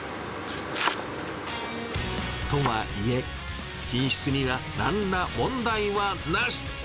とはいえ、品質にはなんら問題はなし。